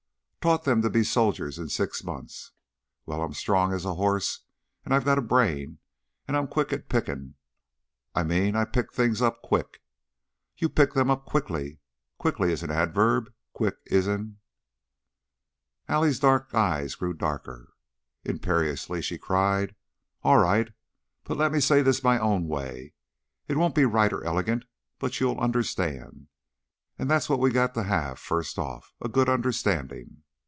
" taught them to be soldiers in six months. Well, I'm strong as a horse, and I've got a brain, and I'm quick at pickin' I mean I pick up things quick " "You pick them up quickly. Quickly is an adverb; quick is an " Allie's dark eyes grew darker. Imperiously she cried: "All right! But let me say this my own way. It won't be right or elegant, but you'll understand. And that's what we got to have first off a good understanding.